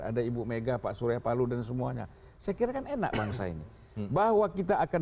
ada ibu mega pak suryapaluh dan semuanya sekiranya enak bangsa ini bahwa kita akan